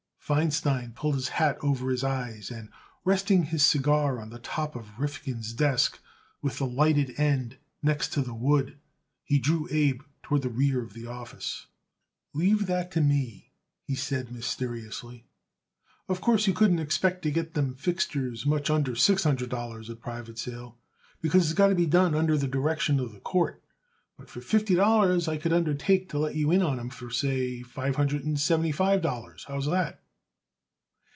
Feinstein pulled his hat over his eyes and, resting his cigar on the top of Rifkin's desk with the lighted end next to the wood, he drew Abe toward the rear of the office. "Leave that to me," he said mysteriously. "Of course, you couldn't expect to get them fixtures much under six hundred dollars at private sale, because it's got to be done under the direction of the court; but for fifty dollars I could undertake to let you in on 'em for, say, five hundred and seventy five dollars. How's that?"